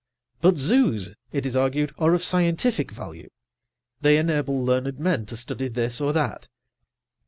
But zoos, it is argued, are of scientific value. They enable learned men to study this or that.